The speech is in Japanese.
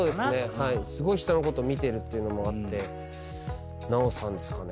すごい人のこと見てるっていうのもあって南朋さんですかね。